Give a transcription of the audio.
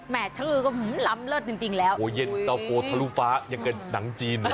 แหมนชะลือก็หึมล้ำเลิศจริงแล้วอุ้ยโฮเย็นทรโฟทะลูฟ้ายังไงหนังจีน